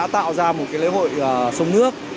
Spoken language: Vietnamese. tạo ra một lễ hội sông nước